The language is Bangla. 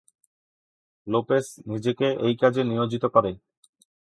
লোপেস নিজেকে এই কাজে নিয়োজিত করে।